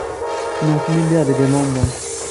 Ssneɣ-t mi lliɣ deg London.